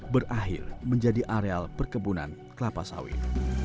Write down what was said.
berakhir menjadi areal perkebunan kelapa sawit